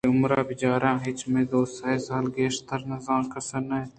بلئے عمر ءَ بچارے آ چہ من دوسے سال ءَ گیش کستر نہ اِنت